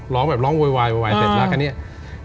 ร้องแบบร้องโวยวายเสร็จแล้ว